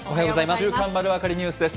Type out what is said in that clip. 週刊まるわかりニュースです。